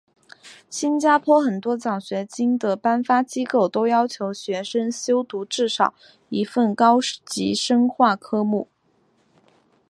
新加坡很多奖学金的颁发机构都要求学生修读至少一份高级深化科目。